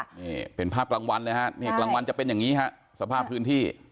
นี่เป็นภาพกลางวันเลยฮะนี่กลางวันจะเป็นอย่างนี้ฮะสภาพพื้นที่